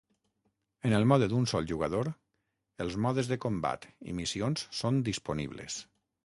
En el mode d'un sol jugador, els modes de combat i missions són disponibles.